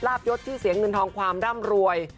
ยศที่เสียเงินทองความร่ำรวย